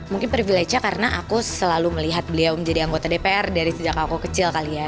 mungkin privilege nya karena aku selalu melihat beliau menjadi anggota dpr dari sejak aku kecil kali ya